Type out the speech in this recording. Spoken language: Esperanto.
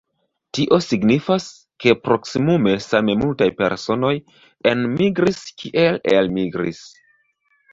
Tio signifas, ke proksimume same multaj personoj enmigris kiel elmigris.